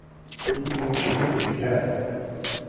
ان میں کشش بھی ہے۔